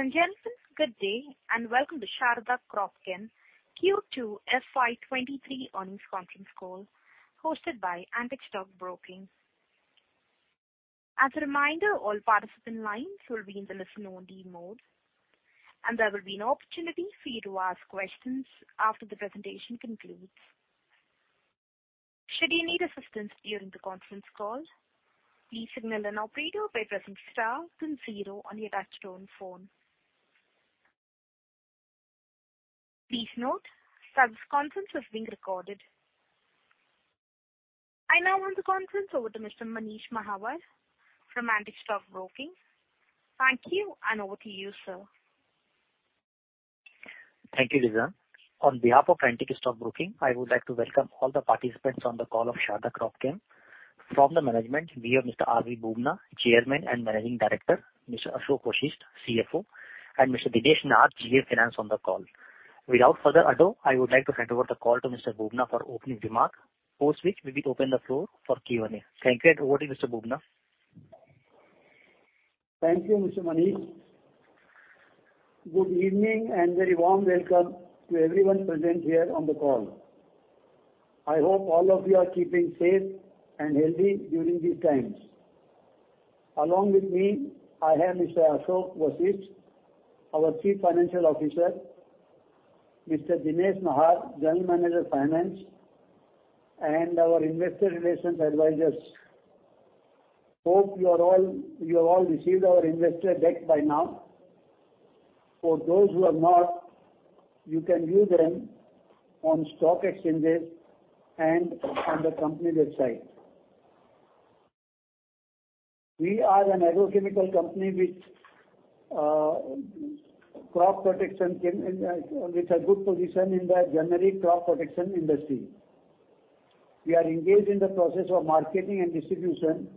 Ladies and gentlemen, good day, and welcome to Sharda Cropchem Q2 FY 2023 Earnings Conference Call hosted by Antique Stock Broking. As a reminder, all participant lines will be in the listen-only mode, and there will be an opportunity for you to ask questions after the presentation concludes. Should you need assistance during the conference call, please signal an operator by pressing star then zero on your touchtone phone. Please note, that this conference is being recorded. I now hand the conference over to Mr. Manish Mahawar from Antique Stock Broking. Thank you, and over to you, sir. Thank you, Lisa. On behalf of Antique Stock Broking, I would like to welcome all the participants on the call of Sharda Cropchem. From the management, we have Mr. R. V. Bubna, Chairman and Managing Director, Mr. Ashok Vashisht, CFO, and Mr. Dinesh Mehar, GM Finance on the call. Without further ado, I would like to hand over the call to Mr. Bubna for opening remark, post which we will open the floor for Q&A. Thank you. Over to you, Mr. Bubna. Thank you, Mr. Manish. Good evening, and very warm welcome to everyone present here on the call. I hope all of you are keeping safe and healthy during these times. Along with me, I have Mr. Ashok Vashisht, our Chief Financial Officer, Mr. Dinesh Mehar, General Manager Finance, and our Investor Relations advisors. Hope you all have received our investor deck by now. For those who have not, you can view them on stock exchanges and on the company website. We are an agrochemical company with a good position in the generic crop protection industry. We are engaged in the process of marketing and distribution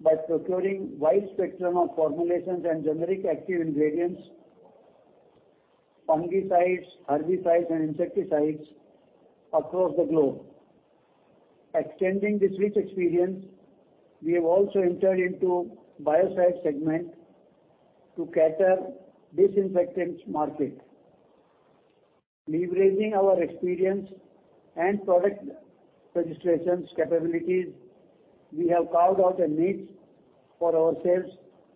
by procuring wide spectrum of formulations and generic active ingredients, fungicides, herbicides and insecticides across the globe. Extending this rich experience, we have also entered into biocide segment to cater disinfectants market. Leveraging our experience and product registrations capabilities, we have carved out a niche for ourselves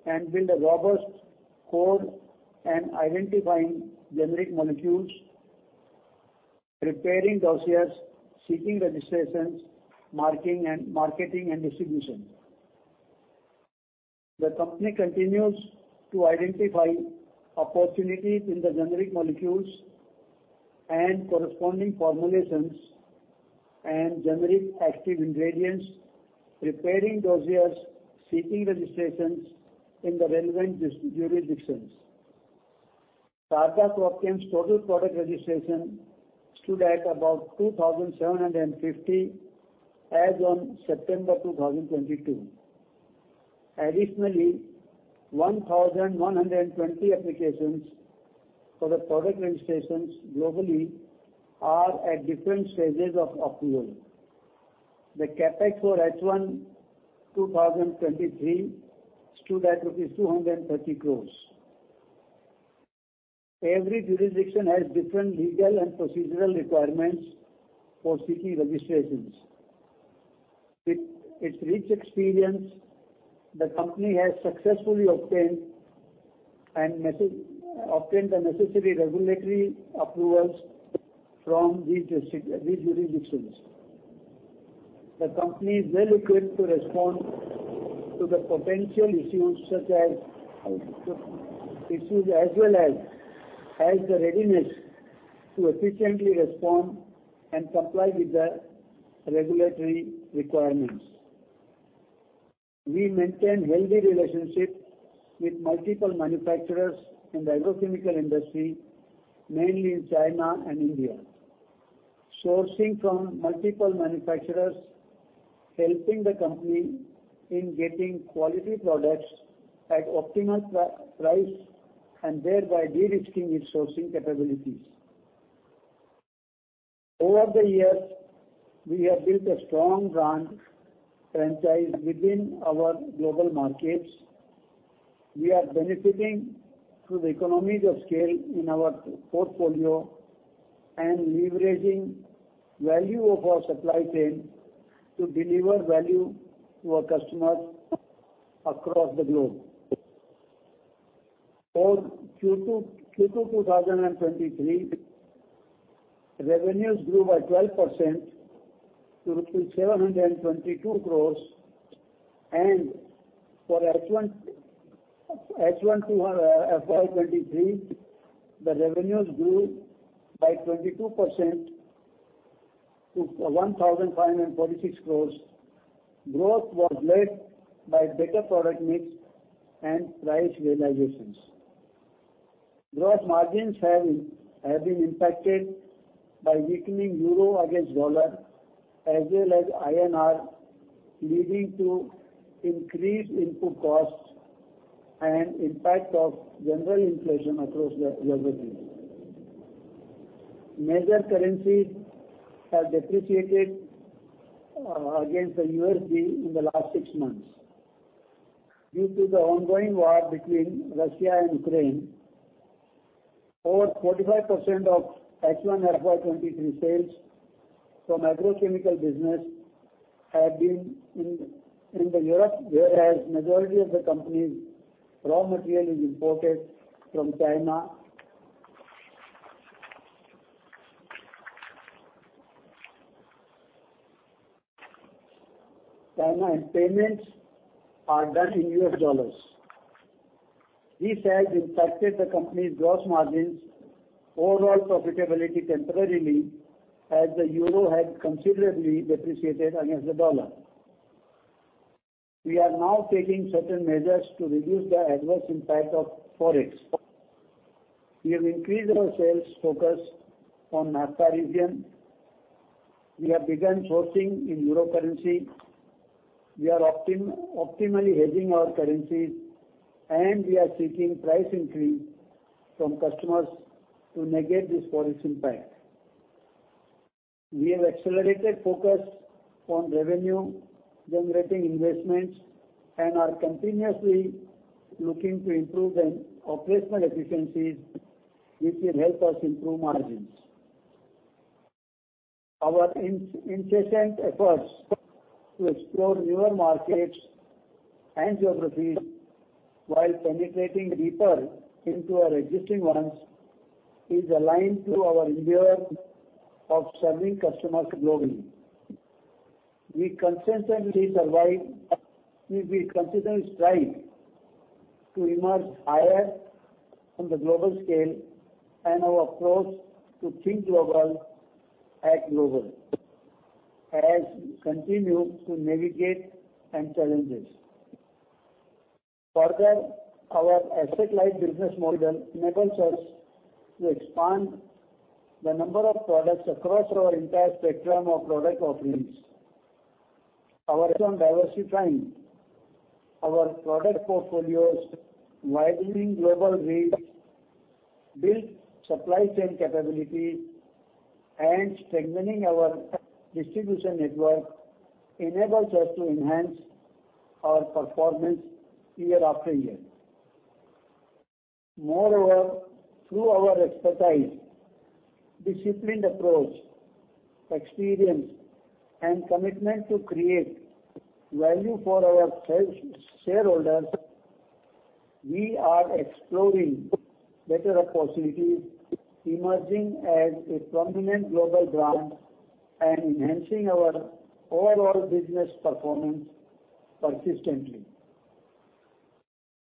and built a robust core and identifying generic molecules, preparing dossiers, seeking registrations, marketing and distribution. The company continues to identify opportunities in the generic molecules and corresponding formulations and generic active ingredients, preparing dossiers, seeking registrations in the relevant jurisdictions. Sharda Cropchem's total product registration stood at about 2,750 as on September 2022. Additionally, 1,120 applications for the product registrations globally are at different stages of approval. The CapEx for H1 2023 stood at INR 230 crore. Every jurisdiction has different legal and procedural requirements for seeking registrations. With its rich experience, the company has successfully obtained the necessary regulatory approvals from these jurisdictions. The company is well equipped to respond to the potential issues such as well as has the readiness to efficiently respond and comply with the regulatory requirements. We maintain healthy relationships with multiple manufacturers in the agrochemical industry, mainly in China and India. Sourcing from multiple manufacturers, helping the company in getting quality products at optimal price, and thereby de-risking its sourcing capabilities. Over the years, we have built a strong brand franchise within our global markets. We are benefiting through the economies of scale in our portfolio and leveraging value of our supply chain to deliver value to our customers across the globe. For Q2 2023, revenues grew by 12% to INR 722 crores. For H1 FY 2023, the revenues grew by 22% to 1,546 crores. Growth was led by better product mix and price realizations. Gross margins have been impacted by weakening euro against dollar as well as Indian rupee, leading to increased input costs and impact of general inflation across the geography. Major currencies have depreciated against the U.S. dollar in the last six months due to the ongoing war between Russia and Ukraine. Over 45% of H1 FY 2023 sales from agrochemical business have been in Europe, whereas majority of the company's raw material is imported from China and payments are done in U.S. dollars. This has impacted the company's gross margins overall profitability temporarily, as the euro has considerably depreciated against the dollar. We are now taking certain measures to reduce the adverse impact of Forex. We have increased our sales focus on NAFTA region. We have begun sourcing in euro currency. We are optimally hedging our currencies, and we are seeking price increase from customers to negate this Forex impact. We have accelerated focus on revenue-generating investments, and are continuously looking to improve on operational efficiencies, which will help us improve margins. Our incessant efforts to explore newer markets and geographies while penetrating deeper into our existing ones is aligned to our endeavor of serving customers globally. We consistently strive to emerge higher on the global scale and our approach to think global, act global, as we continue to navigate any challenges. Further, our asset-light business model enables us to expand the number of products across our entire spectrum of product offerings. Our focus on diversifying our product portfolios, widening global reach, build supply chain capability, and strengthening our distribution network enables us to enhance our performance year after year. Moreover, through our expertise, disciplined approach, experience, and commitment to create value for our share, shareholders, we are exploring better opportunities, emerging as a prominent global brand and enhancing our overall business performance consistently.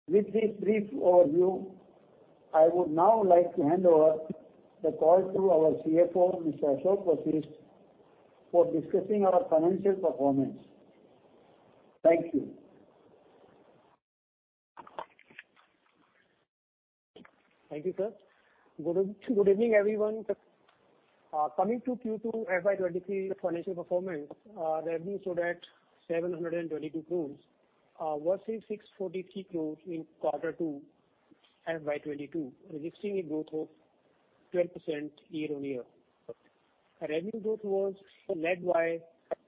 With this brief overview, I would now like to hand over the call to our CFO, Mr. Ashok Vashisht, for discussing our financial performance. Thank you. Thank you, sir. Good evening, everyone. Coming to Q2 FY 2023 financial performance, revenue stood at 722 crore versus 643 crore in Q2 FY 2022, registering a growth of 12% year-on-year. Revenue growth was led by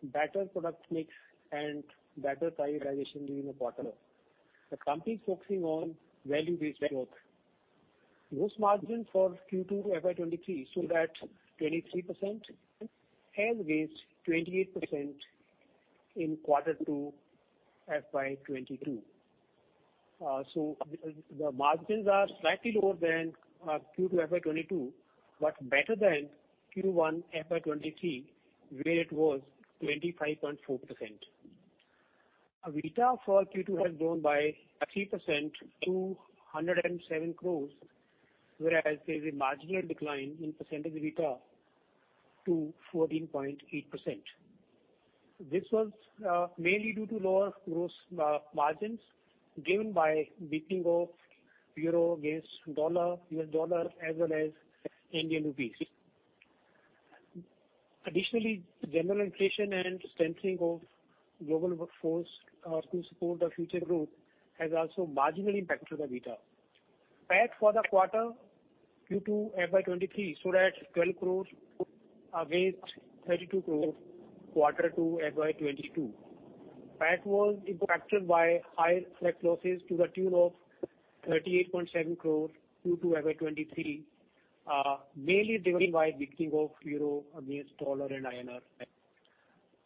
better product mix and better prioritization during the quarter. The company is focusing on value-based growth. Gross margin for Q2 FY 2023 stood at 23% against 28% in Q2 FY 2022. The margins are slightly lower than Q2 FY 2022, but better than Q1 FY 2023, where it was 25.4%. EBITDA for Q2 has grown by 3% to 107 crore, whereas there's a marginal decline in percentage EBITDA to 14.8%. This was mainly due to lower gross margins driven by weakening of euro against dollar, U.S. dollar as well as Indian rupees. Additionally, general inflation and strengthening of global workforce to support the future growth has also marginally impacted the EBITDA. PAT for the quarter Q2 FY 2023 stood at INR 12 crores against INR 32 crores Q2 FY 2022. PAT was impacted by higher FX losses to the tune of 38.7 crores Q2 FY 2023, mainly driven by weakening of euro against dollar and Indian rupee.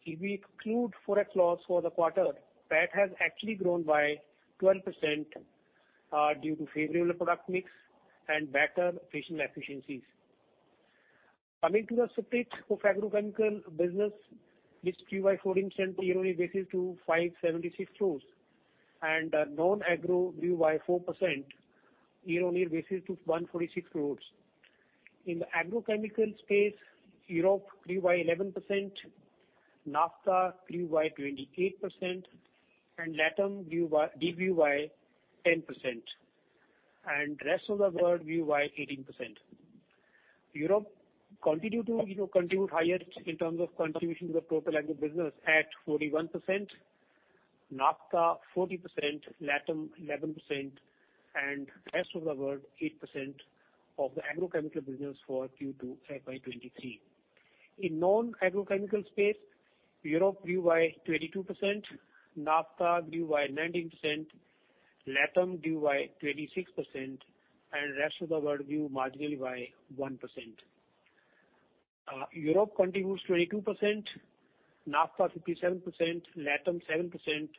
If we exclude Forex loss for the quarter, PAT has actually grown by 12%, due to favorable product mix and better operational efficiencies. Coming to the split of agrochemical business, it grew by 14% year-on-year basis to 576 crores. Non-agro grew by 4% year-on-year basis to 146 crores. In the agrochemical space, Europe grew by 11%, NAFTA grew by 28%, and LatAm grew by 10%, and rest of the world grew by 18%. Europe continue to, you know, contribute highest in terms of contribution to the total agro business at 41%. NAFTA 40%, LatAm 11%, and rest of the world 8% of the agrochemical business for Q2 FY 2023. In non-agrochemical space, Europe grew by 22%, NAFTA grew by 19%, LatAm grew by 26%, and rest of the world grew marginally by 1%. Europe contributes 22%, NAFTA 57%, LatAm 7%,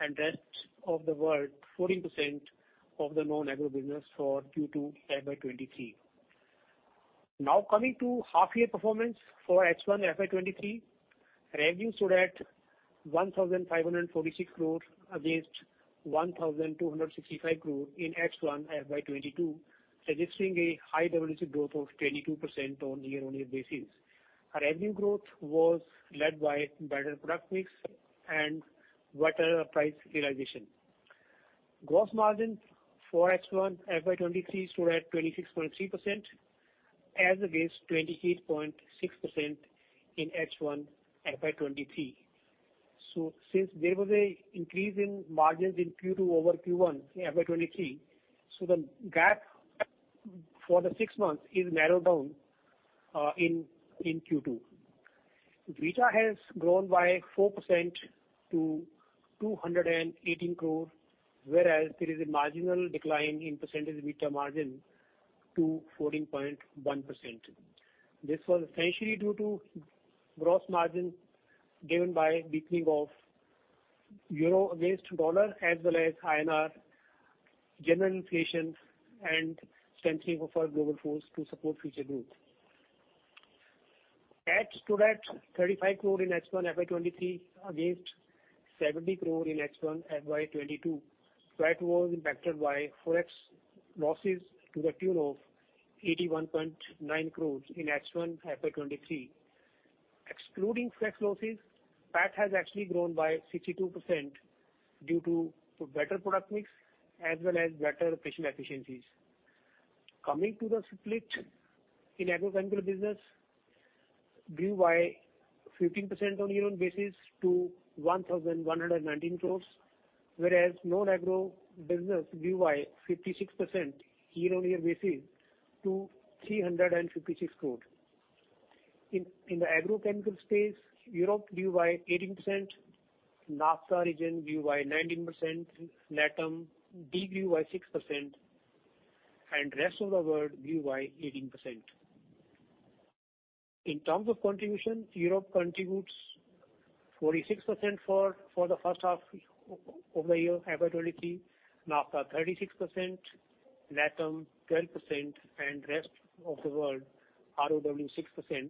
and rest of the world 14% of the non-agro business for Q2 FY 2023. Now coming to half year performance for H1 FY 2023. Revenue stood at 1,546 crore against 1,265 crore in H1 FY 2022, registering a high double digit growth of 22% on year-on-year basis. Our revenue growth was led by better product mix and better price realization. Gross margin for H1 FY 2023 stood at 26.3% as against 28.6% in H1 FY 2022. Since there was an increase in margins in Q2 over Q1 in FY 2023, the gap for the six months is narrowed down. EBITDA has grown by 4% to 218 crore, whereas there is a marginal decline in percentage EBITDA margin to 14.1%. This was essentially due to gross margin driven by weakening of euro against dollar as well as Indian rupee general inflation and strengthening of our global Forex to support future growth. PAT stood at 35 crore in H1 FY 2023 against 70 crore in H1 FY 2022. PAT was impacted by Forex losses to the tune of 81.9 crore in H1 FY 2023. Excluding Forex losses, PAT has actually grown by 62% due to better product mix as well as better operational efficiencies. Coming to the split in agrochemical business, grew by 15% on year-on-year basis to 1,119 crore, whereas non-agro business grew by 56% year-on-year basis to 356 crore. In the agrochemical space, Europe grew by 18%, NAFTA region grew by 19%, LatAm degrew by 6%, and rest of the world grew by 18%. In terms of contribution, Europe contributes 46% for the first half over the year FY 2023, NAFTA 36%, LatAm 12%, and rest of the world, ROW, 6%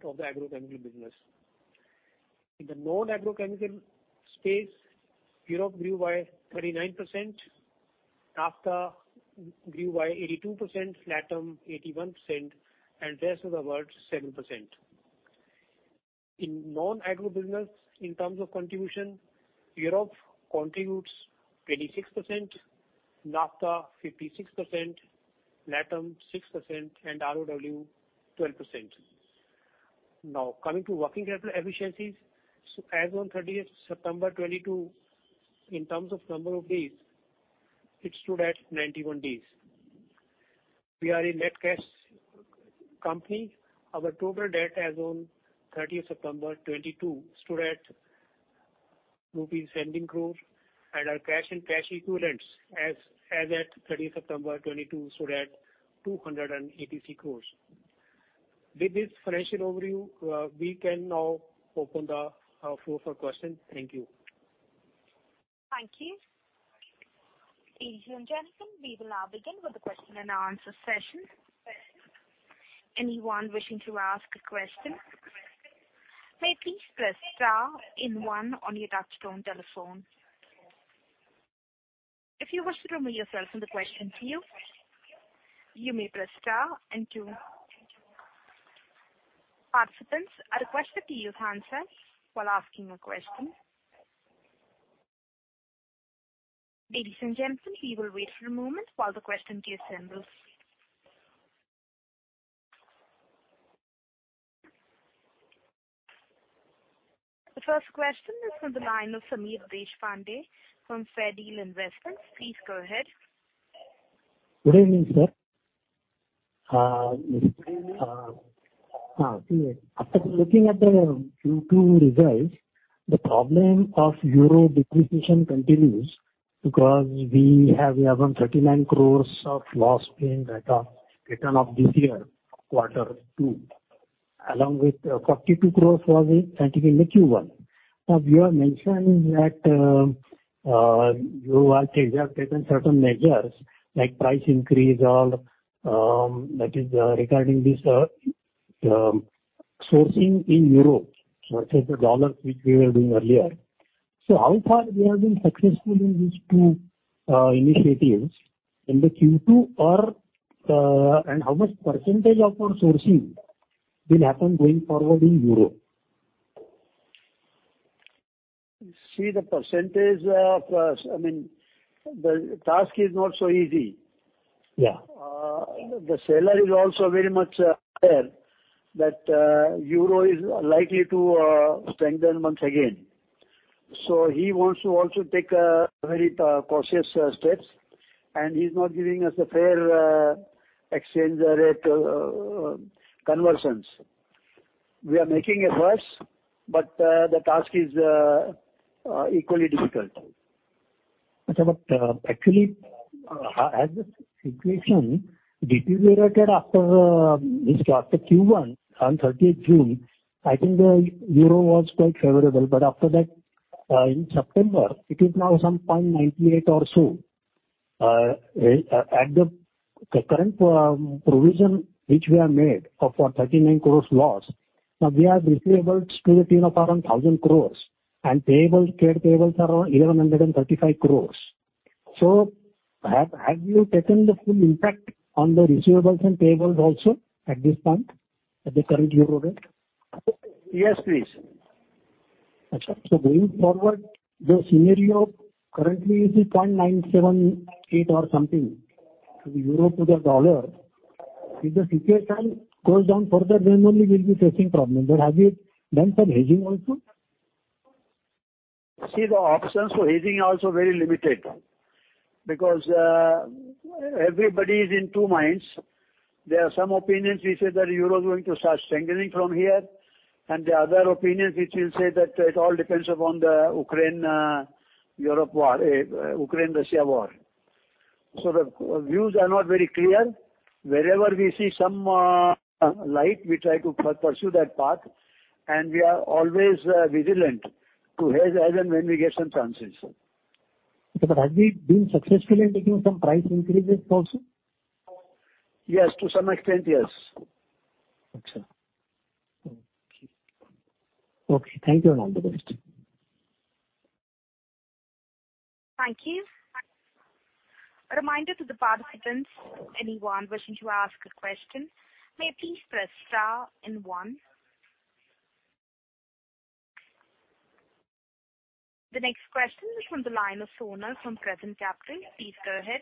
of the agrochemical business. In the non-agrochemical space, Europe grew by 39%, NAFTA grew by 82%, LatAm 81%, and rest of the world 7%. In non-agro business, in terms of contribution, Europe contributes 26%, NAFTA 56%, LatAm 6%, and ROW 12%. Now coming to working capital efficiencies. As on 30th September 2022, in terms of number of days, it stood at 91 days. We are a net cash company. Our total debt as on 30th September 2022 stood at 17 crore. Our cash and cash equivalents as at 30th September 2022 stood at 283 crores. With this financial overview, we can now open the floor for questions. Thank you. Thank you. Ladies and gentlemen, we will now begin with the question and answer session. Anyone wishing to ask a question may please press star and one on your touchtone telephone. If you wish to remove yourself from the question queue, you may press star and two. Participants, I request that you use hands-free while asking a question. Ladies and gentlemen, we will wait for a moment while the question queue assembles. The first question is from the line of Sameer Deshpande from FairDeal Investments. Please go ahead. Good evening, sir. After looking at the Q2 results, the problem of euro depreciation continues because we have 1,139 crores of loss in forex of this year, quarter two. Along with INR 42 crores was spent in the Q1. Now you have mentioned that, you have taken certain measures like price increase or, that is, regarding this, sourcing in Europe versus the dollar which we were doing earlier. How far we have been successful in these two initiatives in the Q2 or, and how much percentage of our sourcing will happen going forward in Europe? See the percentage of, I mean, the task is not so easy. Yeah. The seller is also very much aware that euro is likely to strengthen once again. He wants to also take very cautious steps. He's not giving us a fair exchange rate conversions. We are making efforts, but the task is equally difficult. Actually, as the situation deteriorated after Q1 on 30th June, I think the euro was quite favorable. After that, in September, it is now 0.98 or so. At the current provision which we have made of 39 crores loss, now we have receivables to the tune of around 1,000 crores and payables, trade payables are around 1,135 crores. Have you taken the full impact on the receivables and payables also at this point, at the current euro rate? Yes, please. Going forward, the scenario currently is 0.978 or something, the euro to the dollar. If the situation goes down further, then only we'll be facing problems. Have you done some hedging also? So the options for hedging are also very limited because everybody is in two minds. There are some opinions which say that euro is going to start strengthening from here, and there are other opinions which will say that it all depends upon the Ukraine-Russia war. The views are not very clear. Wherever we see some light, we try to pursue that path, and we are always vigilant to hedge as and when we get some chances. Have you been successful in taking some price increases also? Yes, to some extent, yes. Okay. Thank you, and all the best. Thank you. A reminder to the participants, anyone wishing to ask a question may please press star and one. The next question is from the line of Sonal from Crescent Capital. Please go ahead.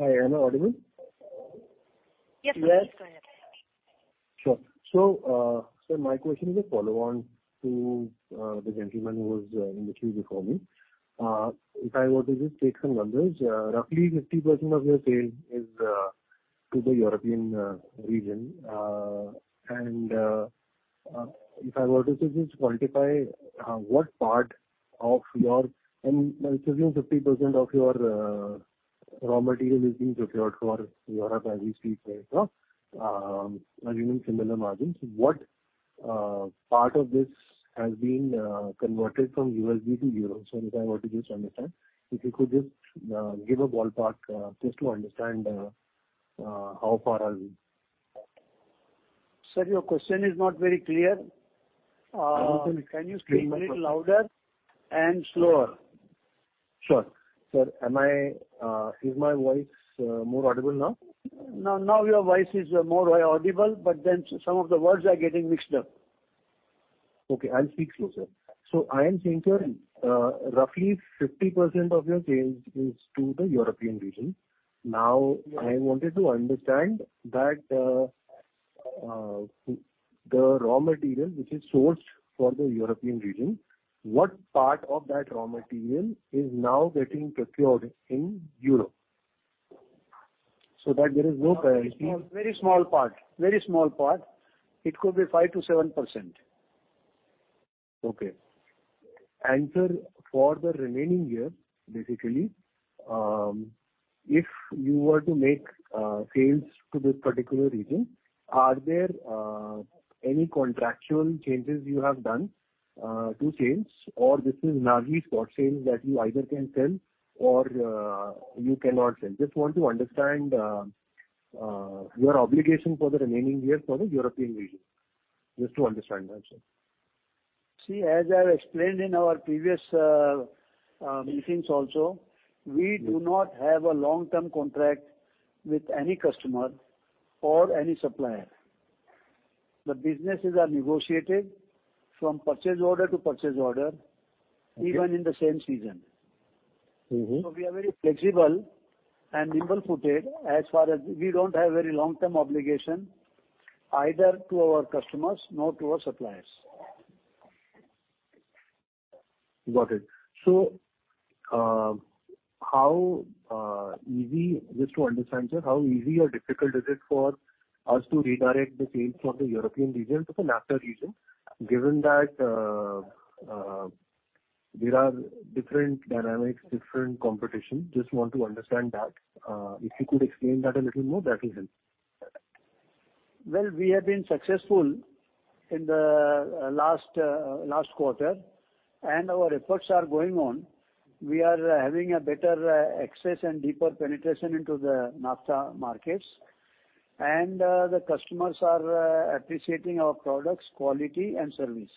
Hi, am I audible? Yes. Yes. Please go ahead. Sure. My question is a follow-on to the gentleman who was in the queue before me. If I were to just take some numbers, roughly 50% of your sales is to the European region. If I were to just quantify, assuming 50% of your raw material is being procured for Europe as we speak, right? Assuming similar margins, what part of this has been converted from US dollar to euro? If I were to just understand, if you could just give a ballpark just to understand how far are we? Sir, your question is not very clear. I'm sorry. Can you speak little louder and slower? Sure. Sir, is my voice more audible now? Now your voice is more audible, but then some of the words are getting mixed up. Okay, I'll speak slower. I am thinking, roughly 50% of your sales is to the European region. Now, I wanted to understand that, the raw material which is sourced for the European region, what part of that raw material is now getting procured in euro. That there is no currency. Very small part. It could be 5%-7%. Okay. Sir, for the remaining year, basically, if you were to make sales to this particular region, are there any contractual changes you have done to sales or this is largely spot sales that you either can sell or you cannot sell? Just want to understand your obligation for the remaining year for the European region. Just to understand that, sir. See, as I've explained in our previous meetings also, we do not have a long-term contract with any customer or any supplier. The businesses are negotiated from purchase order to purchase order. Okay. Even in the same season. Mm-hmm. We are very flexible and nimble-footed as far as we don't have very long-term obligation either to our customers nor to our suppliers. Got it. Just to understand, sir, how easy or difficult is it for us to redirect the sales from the European region to the NAFTA region, given that there are different dynamics, different competition? Just want to understand that. If you could explain that a little more, that will help. Well, we have been successful in the last quarter, and our efforts are going on. We are having a better access and deeper penetration into the NAFTA markets. The customers are appreciating our products' quality and service.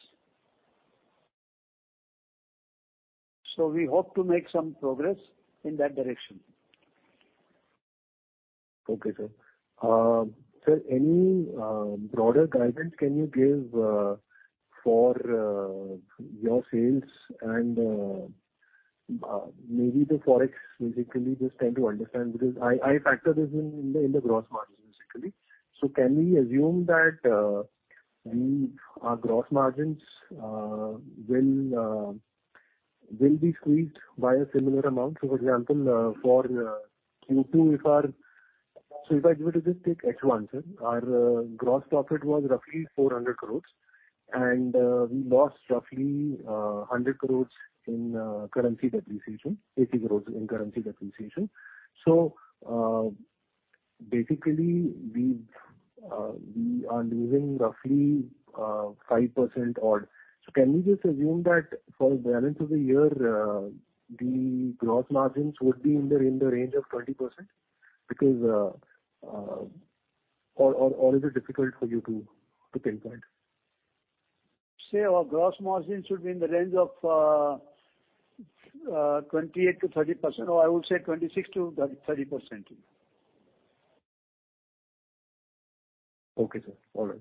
We hope to make some progress in that direction. Okay, sir. Sir, any broader guidance can you give for your sales and maybe the Forex basically, just trying to understand because I factor this in the gross margin basically. Can we assume that our gross margins will be squeezed by a similar amount? For example, if I were to just take H1, sir, our gross profit was roughly 400 crores and we lost roughly 100 crores in currency depreciation, 80 crores in currency depreciation. Basically we are losing roughly 5% odd. Can we just assume that for the balance of the year the gross margins would be in the range of 20%? Because. Is it difficult for you to pinpoint? Our gross margin should be in the range of 28%-30%, or I would say 26%-30%. Okay, sir. All right.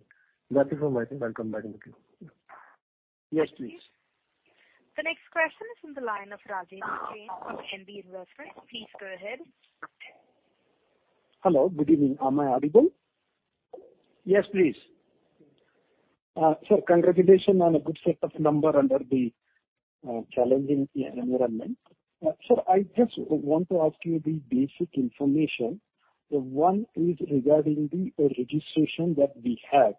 That's it from my side. I'll come back in queue. Yes, please. The next question is from the line of Rajeev Jain from NB Investments. Please go ahead. Hello, good evening. Am I audible? Yes, please. Sir, congratulations on a good set of numbers under the challenging environment. Sir, I just want to ask you the basic information. One is regarding the registration that we have.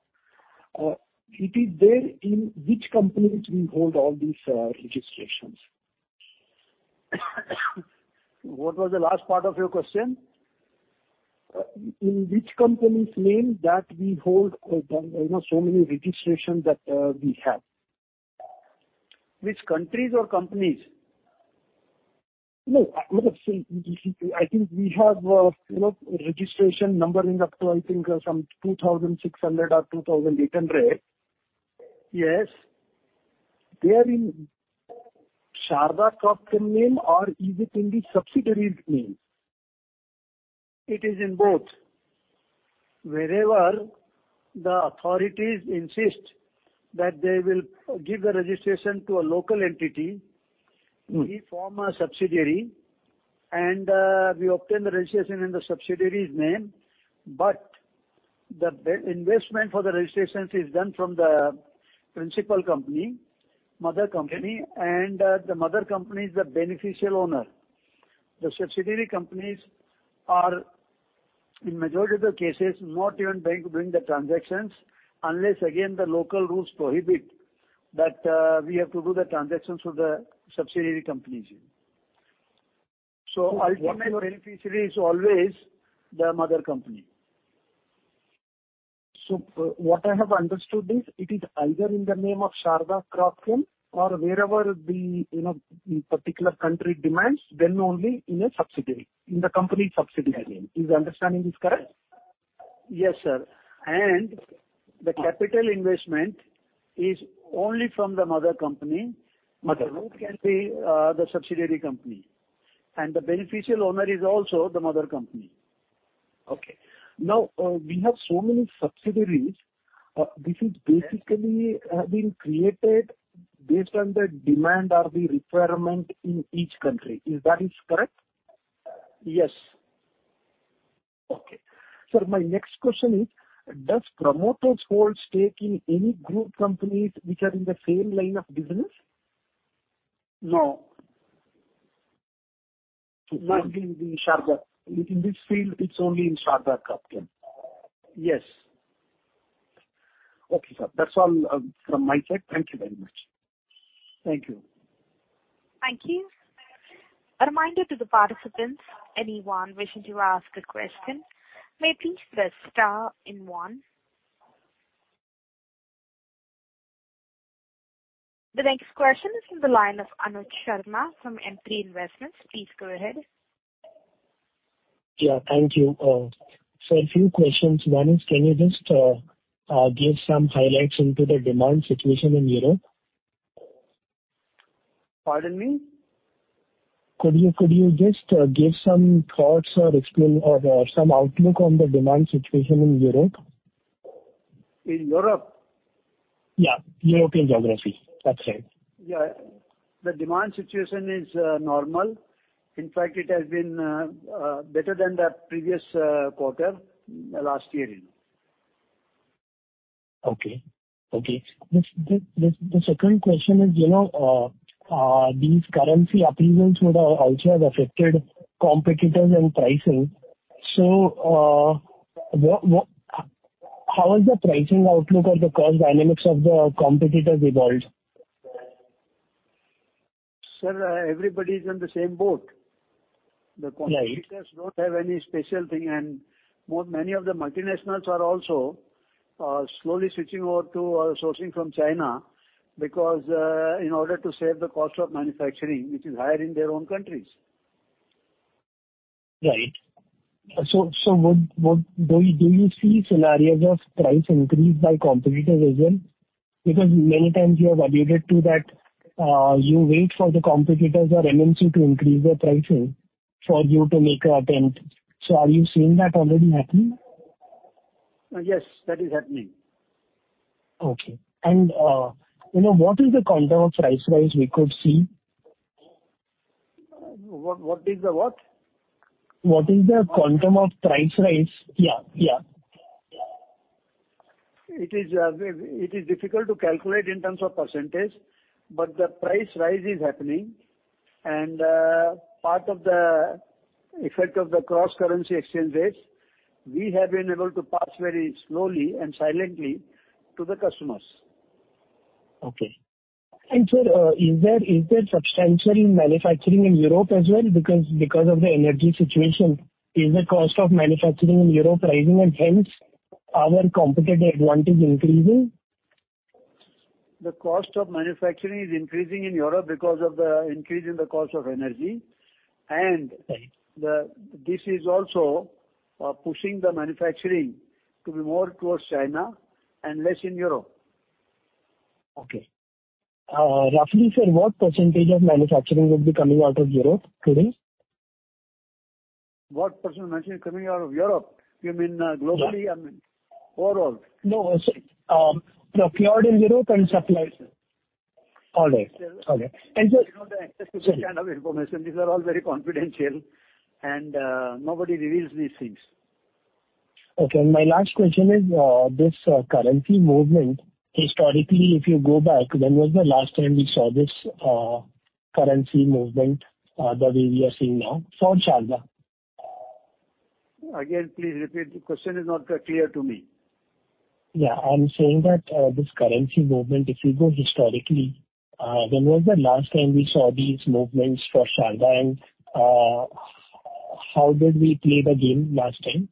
It is there in which companies we hold all these registrations? What was the last part of your question? In which company's name that we hold, you know, so many registrations that we have. Which countries or companies? No, I would have said, I think we have, you know, registration numbering up to, I think, some 2,600 or 2,800. Yes. They are in Sharda Cropchem's name or is it in the subsidiaries' name? It is in both. Wherever the authorities insist that they will give the registration to a local entity. Mm-hmm. We form a subsidiary and we obtain the registration in the subsidiary's name, but the investment for the registrations is done from the principal company, mother company. Okay. The mother company is the beneficial owner. The subsidiary companies are, in majority of the cases, not even trying to bring the transactions unless again, the local rules prohibit that, we have to do the transactions through the subsidiary companies. Ultimate beneficiary is always the mother company. What I have understood is it is either in the name of Sharda Cropchem or wherever the, you know, the particular country demands, then only in a subsidiary, in the company subsidiary name. Is understanding this correct? Yes, sir. The capital investment is only from the mother company. Mother company. The route can be the subsidiary company. The beneficial owner is also the mother company. Okay. Now, we have so many subsidiaries. This is basically have been created based on the demand or the requirement in each country. Is that correct? Yes. Okay. Sir, my next question is, does promoters hold stake in any group companies which are in the same line of business? No. Only in the Sharda. In this field, it's only in Sharda Cropchem. Yes. Okay, sir. That's all, from my side. Thank you very much. Thank you. Thank you. A reminder to the participants, anyone wishing to ask a question may please press star and one. The next question is from the line of Anuj Sharma from Emkay Investments. Please go ahead. Yeah, thank you. Sir, a few questions. One is, can you just give some highlights into the demand situation in Europe? Pardon me? Could you just give some thoughts or explain or some outlook on the demand situation in Europe? In Europe? Yeah, European geography. That's right. Yeah. The demand situation is normal. In fact, it has been better than the previous quarter last year, you know. Okay. The second question is, you know, these currency upheavals would also have affected competitors and pricing. How is the pricing outlook or the cost dynamics of the competitors evolved? Sir, everybody is in the same boat. Right. The competitors don't have any special thing, and more, many of the multinationals are also slowly switching over to sourcing from China because in order to save the cost of manufacturing, which is higher in their own countries. Right. Do you see scenarios of price increase by competitors as well? Because many times you have alluded to that, you wait for the competitors or MNC to increase their pricing for you to make a attempt. Are you seeing that already happening? Yes, that is happening. Okay. You know, what is the quantum of price rise we could see? What is the what? What is the quantum of price rise? Yeah. Yeah. It is difficult to calculate in terms of percentage, but the price rise is happening. Part of the effect of the cross currency exchange rates, we have been able to pass very slowly and silently to the customers. Okay. Sir, is there substantial manufacturing in Europe as well? Because of the energy situation, is the cost of manufacturing in Europe rising and hence our competitive advantage increasing? The cost of manufacturing is increasing in Europe because of the increase in the cost of energy. This is also pushing the manufacturing to be more towards China and less in Europe. Okay. Roughly sir, what percentage of manufacturing will be coming out of Europe today? What percentage of manufacturing coming out of Europe? You mean, globally. Yeah. I mean, overall? No. Sorry. No, cured in Europe and supplies. All right. You know, the access to this kind of information, these are all very confidential and, nobody reveals these things. Okay. My last question is, this currency movement, historically, if you go back, when was the last time we saw this, currency movement, the way we are seeing now for Sharda? Again, please repeat. The question is not that clear to me. Yeah. I'm saying that, this currency movement, if you go historically, when was the last time we saw these movements for Sharda? How did we play the game last time?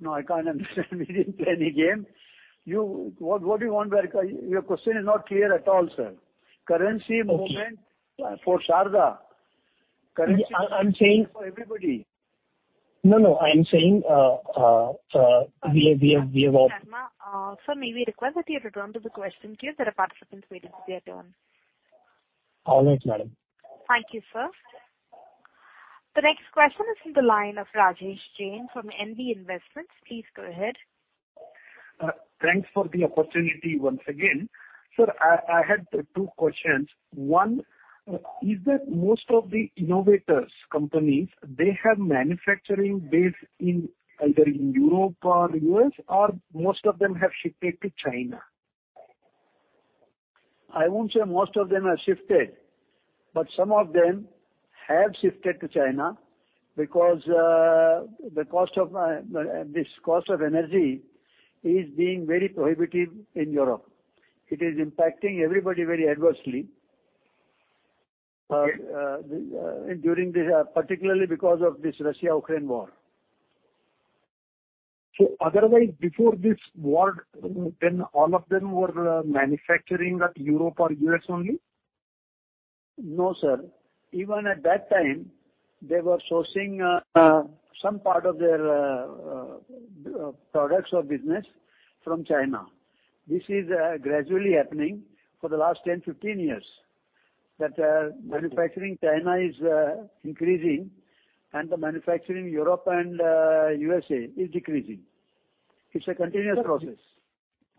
No, I can't understand. We didn't play any game. What do you want, Anuj? Your question is not clear at all, sir. Currency movement. Okay. For Sharda. Currency. I'm saying. For everybody. No, no. I'm saying, we have Sharma, sir, may we request that you return to the question queue? There are participants waiting for their turn. All right, madam. Thank you, sir. The next question is from the line of Rajeev Jain from NB Investments. Please go ahead. Thanks for the opportunity once again. Sir, I had two questions. One, is that most of the innovator companies, they have manufacturing base in either Europe or U.S., or most of them have shifted to China. I won't say most of them have shifted, but some of them have shifted to China because this cost of energy is being very prohibitive in Europe. It is impacting everybody very adversely. During this, particularly because of this Russia-Ukraine war. Otherwise, before this war, then all of them were manufacturing at Europe or U.S. only? No, sir. Even at that time, they were sourcing some part of their products or business from China. This is gradually happening for the last 10-15 years. Okay. Manufacturing in China is increasing and the manufacturing in Europe and USA is decreasing. It's a continuous process.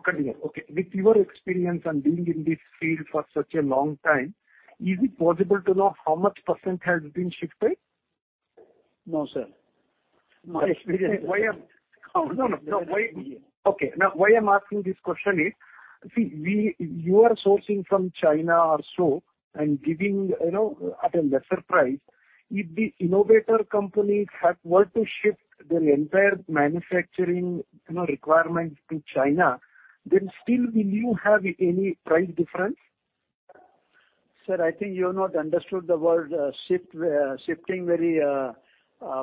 Continuous. Okay. With your experience and being in this field for such a long time, is it possible to know how much percentage has been shifted? No, sir. My experience. Why I'm. No, no. Okay. Now, why I'm asking this question is, see, you are sourcing from China also and giving, you know, at a lesser price. If the innovator companies were to shift their entire manufacturing, you know, requirements to China, then still will you have any price difference? Sir, I think you have not understood the word shift shifting very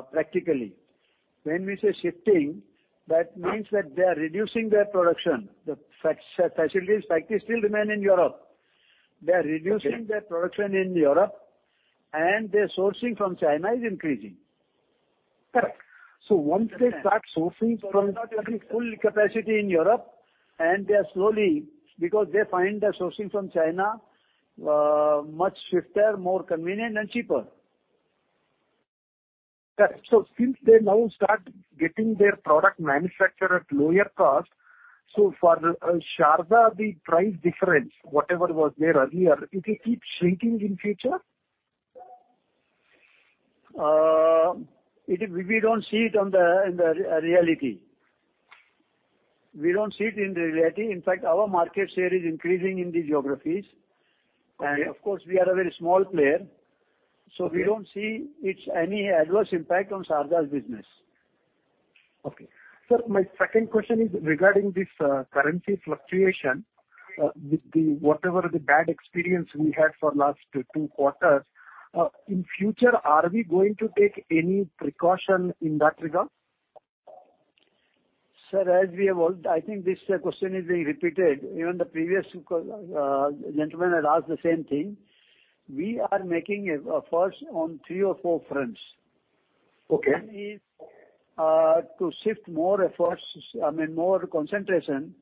practically. When we say shifting, that means that they are reducing their production. The facilities factories still remain in Europe. They are reducing. Okay. Their production in Europe, and their sourcing from China is increasing. Correct. Once they start sourcing from. They are not at the full capacity in Europe, and they are slowly because they find that sourcing from China much swifter, more convenient, and cheaper. Correct. Since they now start getting their product manufactured at lower cost, so for Sharda, the price difference, whatever was there earlier, it will keep shrinking in future? We don't see it in reality. In fact, our market share is increasing in these geographies. Okay. Of course, we are a very small player. Okay. We don't see it as any adverse impact on Sharda's business. Okay. Sir, my second question is regarding this, currency fluctuation. With whatever the bad experience we had for last two quarters, in future, are we going to take any precaution in that regard? Sir, as we evolved, I think this question is being repeated. Even the previous gentleman had asked the same thing. We are making efforts on three or four fronts. Okay. One is, to shift more efforts, I mean, more concentration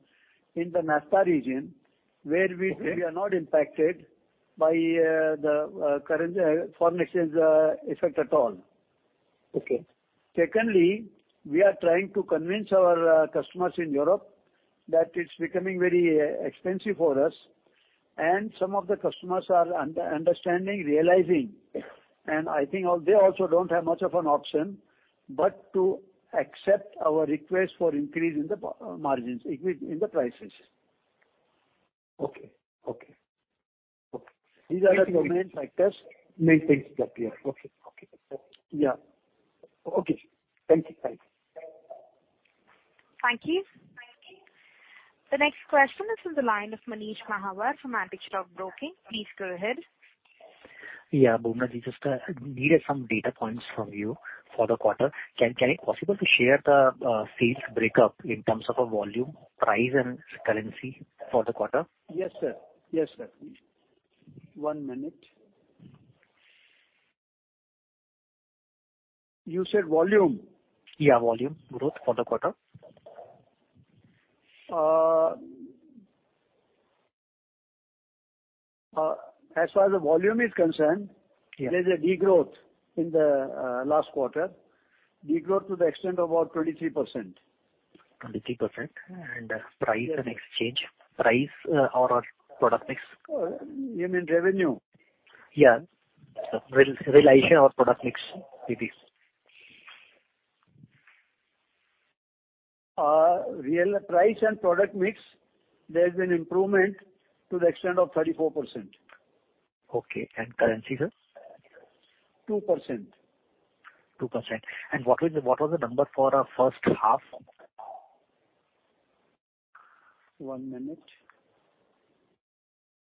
in the NAFTA region where we- Okay. We are not impacted by the current forex effect at all. Okay. Secondly, we are trying to convince our customers in Europe that it's becoming very expensive for us, and some of the customers are understanding, realizing, and I think they also don't have much of an option but to accept our request for increase in the margins, increase in the prices. Okay. These are the two main factors maintaining the tier. Okay. Yeah. Okay. Thank you. Bye. Thank you. The next question is from the line of Manish Mahawar from Antique Stock Broking. Please go ahead. Yeah. Bubna, we just needed some data points from you for the quarter. Is it possible to share the sales breakup in terms of a volume, price and currency for the quarter? Yes, sir. Yes, sir. One minute. You said volume? Yeah, volume growth for the quarter. As far as the volume is concerned. Yeah. There's a degrowth in the last quarter. Degrowth to the extent of about 23%. 23%. Price and exchange. Price or product mix. You mean revenue? Yeah. Realization or product mix, it is. Real price and product mix, there's been improvement to the extent of 34%. Okay. Currency, sir? 2%. 2%. What was the number for first half? One minute.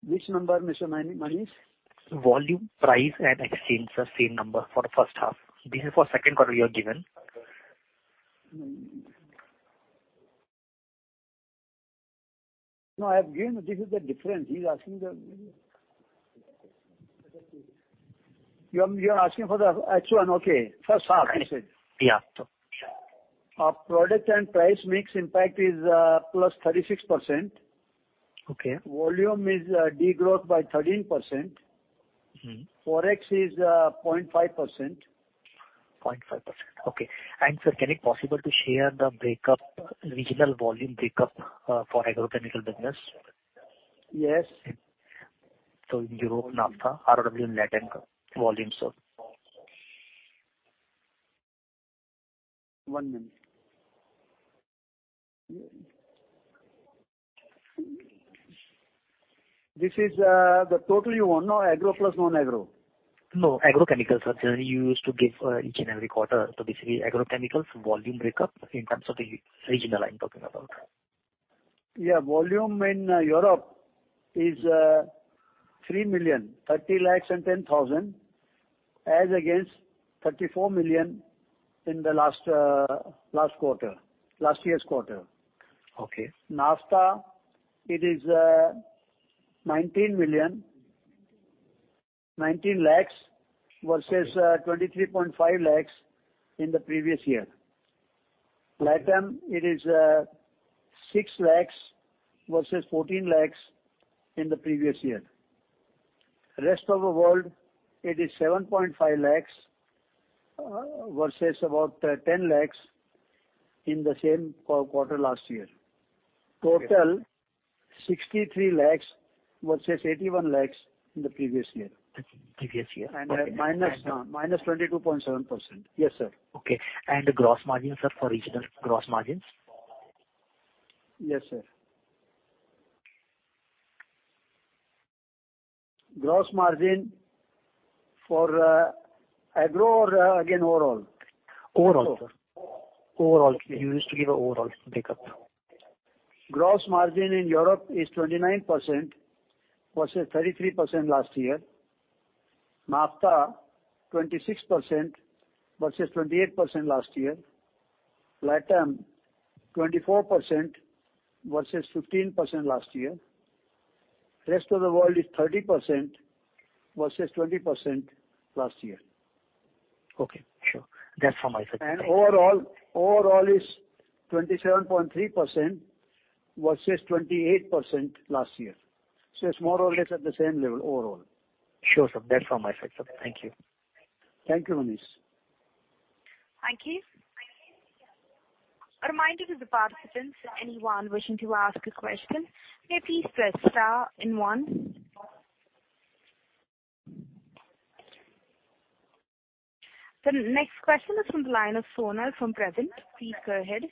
Which number, Mr. Mani, Manish? Volume, price and exchange, sir, same number for the first half. This is for second quarter you have given. No, I have given. This is the difference. You're asking for the H1. Okay. First half you said. Yeah. Our product and price mix impact is +36%. Okay. Volume is degrowth by 13%. Mm-hmm. Forex is 0.5%. 0.5%. Okay. Sir, can it possible to share the breakup, regional volume breakup, for agrochemical business? Yes. Europe, NAFTA, ROW, LatAm volumes, sir. One minute. This is the total you want or agro plus non-agro? No, agrochemicals, sir. You used to give each and every quarter. Basically agrochemicals volume breakup in terms of the regional I'm talking about. Yeah. Volume in Europe is 3 million, 30 lakhs and 10,000 as against 34 million in the last quarter, last year's quarter. Okay. NAFTA, it is 19 million, 19 lakhs versus 23.5 lakhs in the previous year. LatAm it is 6 lakhs versus 14 lakhs in the previous year. Rest of the World it is 7.5 lakhs versus about 10 lakhs in the same quarter last year. Okay. Total 63 lakhs versus 81 lakhs in the previous year. Previous year. Okay. A -22.7%. Yes, sir. Okay. Gross margins, sir, for regional gross margins? Yes, sir. Gross margin for, agro or again overall? Overall, sir. You used to give overall breakup. Gross margin in Europe is 29% versus 33% last year. NAFTA, 26% versus 28% last year. LatAm, 24% versus 15% last year. Rest of the world is 30% versus 20% last year. Okay. Sure. That's from my side. Overall is 27.3% versus 28% last year. It's more or less at the same level overall. Sure, sir. That's from my side, sir. Thank you. Thank you, Manish. Thank you. A reminder to the participants, anyone wishing to ask a question, may please press star and one. The next question is from the line of Sonal from Crescent. Please go ahead.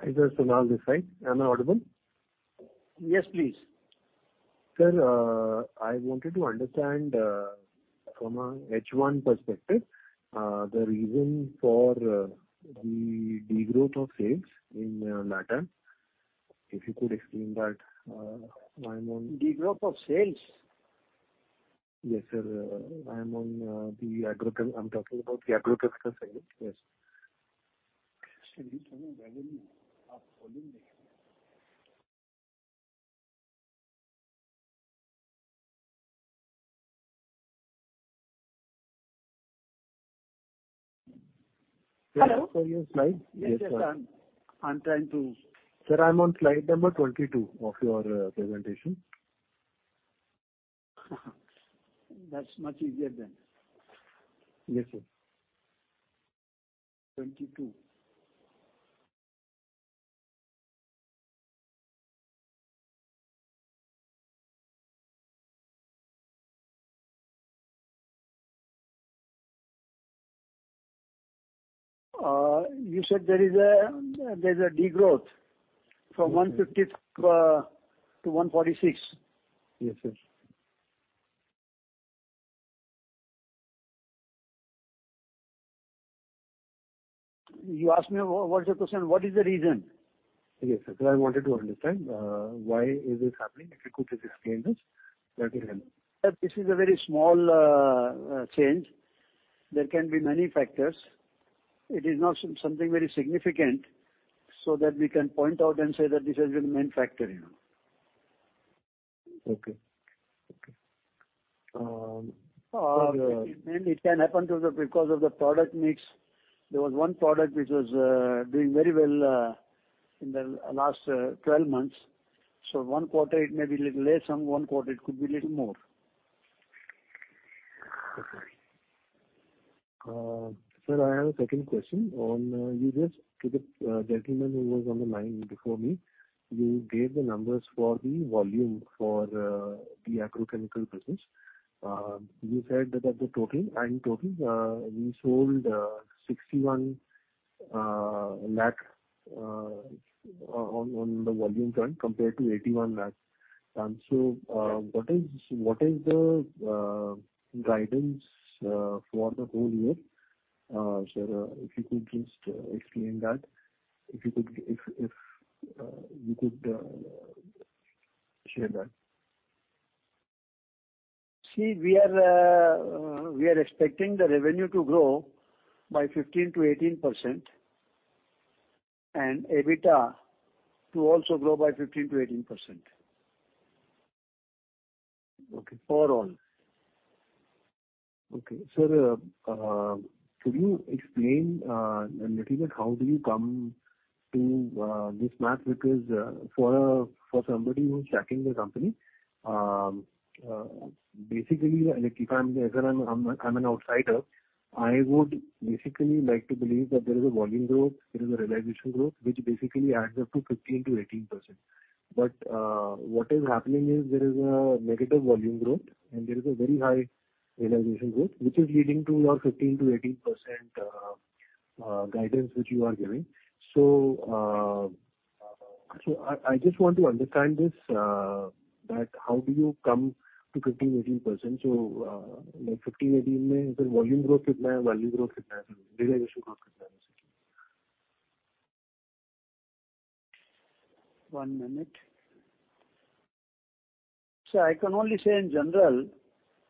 Hi there, Sonal Desai. Am I audible? Yes, please. Sir, I wanted to understand from a H1 perspective the reason for the degrowth of sales in LatAm. If you could explain that, I'm on- Degrowth of sales? Yes, sir. I'm talking about the agrochemical segment. Yes. Sales means revenue or volume? Hello. Can you show your slide? Yes, I'm trying to. Sir, I'm on slide number 22 of your presentation. That's much easier than. Yes, sir. 22. You said there is a degrowth from 150-146. Yes, sir. You asked me what's the question, what is the reason? Yes, sir. I wanted to understand why is this happening? If you could just explain this, that will help. This is a very small change. There can be many factors. It is not something very significant, so that we can point out and say that this has been the main factor, you know. Okay. It can happen through the because of the product mix. There was one product which was doing very well in the last 12 months. One quarter it may be little less and one quarter it could be little more. Okay. Sir, I have a second question. You just spoke to the gentleman who was on the line before me, you gave the numbers for the volume for the agrochemical business. You said that in total we sold 61 lakh on the volume front compared to 81 lakh. What is the guidance for the whole year? If you could just explain that. If you could share that. See, we are expecting the revenue to grow by 15%-18% and EBITDA to also grow by 15%-18%. Okay. For all? Okay. Sir, could you explain a little bit how do you come to this math? Because for somebody who's tracking the company, basically like if I'm an outsider, I would basically like to believe that there is a volume growth, there is a realization growth, which basically adds up to 15%-18%. What is happening is there is a negative volume growth and there is a very high realization growth, which is leading to your 15%-18% guidance which you are giving. I just want to understand this that how do you come to 15%-18%. Like 15%-18% main volume growth. One minute. I can only say in general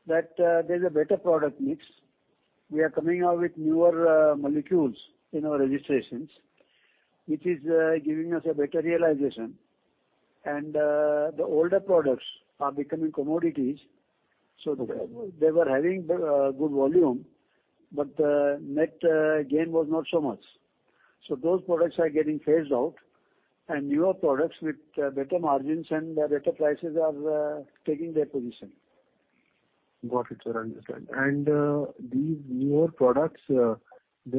that there's a better product mix. We are coming out with newer molecules in our registrations, which is giving us a better realization. The older products are becoming commodities, so they were having good volume, but the net gain was not so much. Those products are getting phased out and newer products with better margins and better prices are taking their position. Got it, sir. Understood. These newer products, there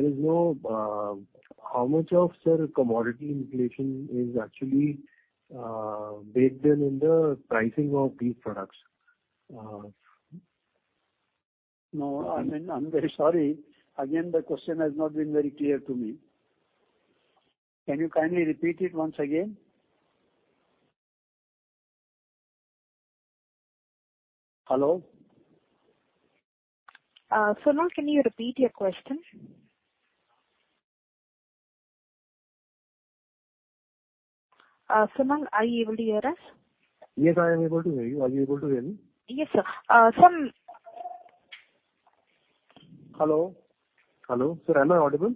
is no. How much of, sir, commodity inflation is actually baked in the pricing of these products? No, I mean, I'm very sorry. Again, the question has not been very clear to me. Can you kindly repeat it once again? Hello? Sonal, can you repeat your question? Sonal, are you able to hear us? Yes, I am able to hear you. Are you able to hear me? Yes, sir. Hello? Hello, sir, am I audible?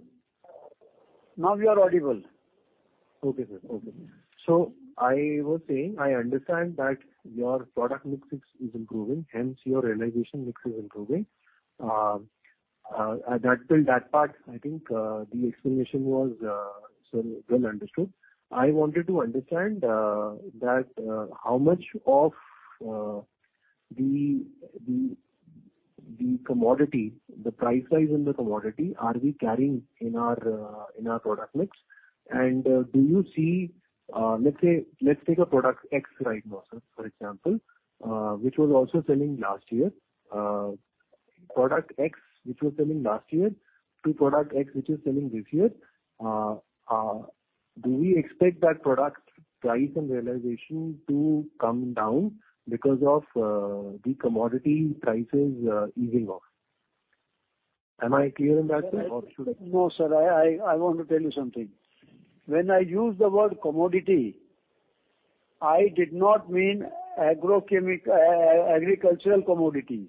Now you are audible. I was saying I understand that your product mix is improving, hence your realization mix is improving. I think the explanation was, sir, well understood. I wanted to understand that how much of the commodity price rise in the commodity are we carrying in our product mix? And do you see, let's say let's take a product X right now, sir, for example, which was also selling last year. Product X which was selling last year to product X which is selling this year, do we expect that product price and realization to come down because of the commodity prices easing off? Am I clear on that or should- No, sir, I want to tell you something. When I use the word commodity, I did not mean agricultural commodities.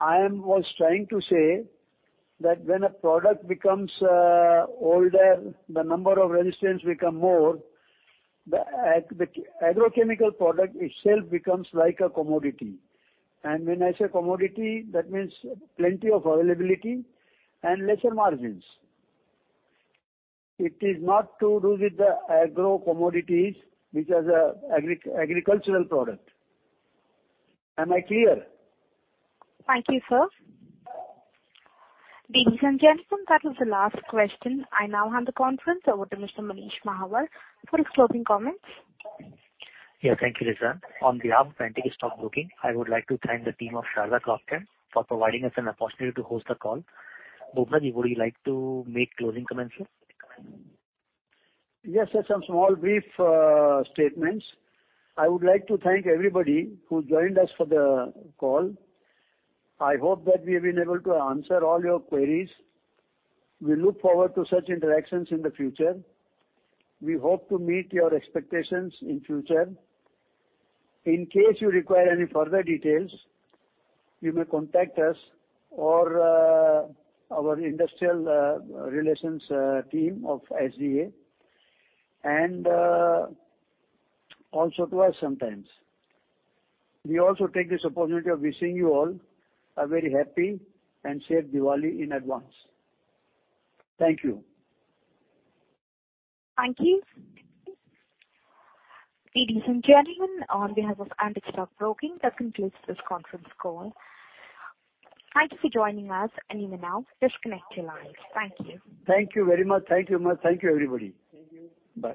I was trying to say that when a product becomes older, the number of resistance become more, the agrochemical product itself becomes like a commodity. When I say commodity, that means plenty of availability and lesser margins. It is not to do with the agro commodities, which is a agricultural product. Am I clear? Thank you, sir. Ladies and gentlemen, that was the last question. I now hand the conference over to Mr. Manish Mahawar for his closing comments. Yeah. Thank you, Lisa. On behalf of Antique Stock Broking, I would like to thank the team of Sharda Cropchem for providing us an opportunity to host the call. Bubna, would you like to make closing comments, sir? Yes, just some small brief statements. I would like to thank everybody who joined us for the call. I hope that we have been able to answer all your queries. We look forward to such interactions in the future. We hope to meet your expectations in future. In case you require any further details, you may contact us or our industrial relations team of SGA, and also to us sometimes. We also take this opportunity of wishing you all a very happy and safe Diwali in advance. Thank you. Thank you. Ladies and gentlemen, on behalf of Antique Stock Broking, that concludes this conference call. Thank you for joining us. You may now disconnect your lines. Thank you. Thank you very much. Thank you so much. Thank you, everybody. Thank you. Bye.